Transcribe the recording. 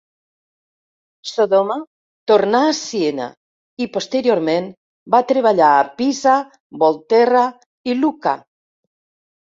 Sodoma tornà a Siena i, posteriorment, va treballar a Pisa, Volterra i Lucca.